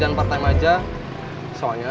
dia berada di jakarta